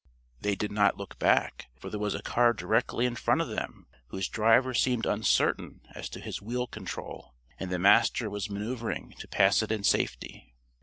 They did not look back, for there was a car directly in front of them, whose driver seemed uncertain as to his wheel control, and the Master was manoeuvering to pass it in safety.